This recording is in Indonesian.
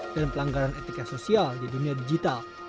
dan pelanggaran etika sosial di dunia digital